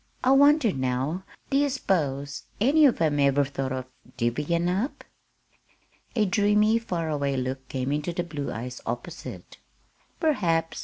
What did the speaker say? I wonder now, do ye s'pose any one of 'em ever thought of divvyin' up?" A dreamy, far away look came into the blue eyes opposite. "Perhaps!